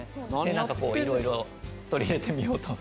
いろいろ取り入れてみようと。